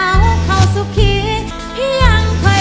ทุกคนนี้ก็ส่งเสียงเชียร์ทางบ้านก็เชียร์